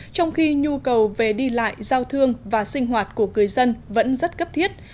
trong khi nhu cầu về đi lại giao thương và sinh hoạt của người dân vẫn rất cấp thiết